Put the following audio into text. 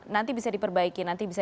nanti bisa diperbaiki nanti bisa